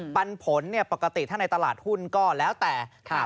ปันผลปกติถ้าในตลาดหุ้นก็แล้วแต่ค่ะ